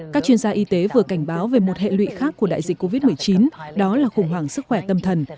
các chuyên gia y tế vừa cảnh báo về một hệ lụy khác của đại dịch covid một mươi chín đó là khủng hoảng sức khỏe tâm thần